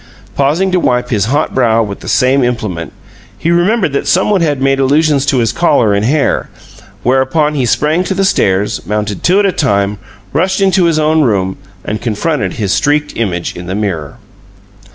Pausing to wipe his hot brow with the same implement, he remembered that some one had made allusions to his collar and hair, whereupon he sprang to the stairs, mounted two at a time, rushed into his own room, and confronted his streaked image in the mirror.